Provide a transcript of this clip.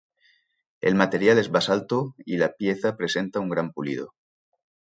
El material es basalto, y la pieza presenta un gran pulido.